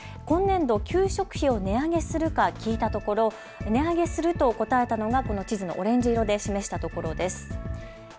今年度、給食費を値上げするか聞いたところ値上げすると答えたのがこの地図のオレンジ色で示した所です。